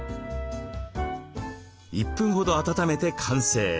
１分ほど温めて完成。